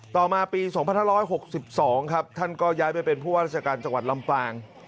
ต่อมาปี๒๕๖๒ครับท่านก็ย้ายไปเป็นผู้ว่าราชการจังหวัดลำปาง